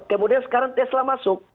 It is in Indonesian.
kemudian sekarang tesla masuk